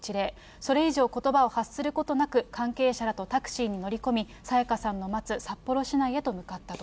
それ以上ことばを発することなく、関係者らとタクシーに乗り込み、沙也加さんの待つ札幌市内へと向かったと。